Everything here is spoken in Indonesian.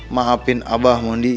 maafin abah mondi